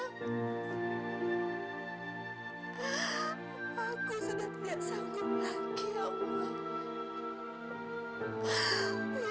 aku sudah tidak sanggup lagi ya allah